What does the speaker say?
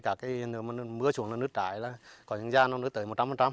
cả cái mưa xuống nứt trái là có những gia nó nứt tới một trăm linh